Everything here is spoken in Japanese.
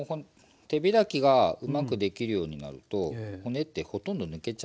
手開きがうまくできるようになると骨ってほとんど抜けちゃうんで。